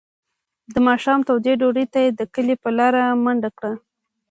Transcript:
د ماښام تودې ډوډۍ ته یې د کلي په لاره منډه کړه.